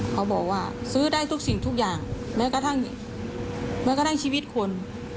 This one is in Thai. เค้าบอกว่าซื้อได้ทุกสิ่งทุกอย่างแม้กระทั่งชีวิตคน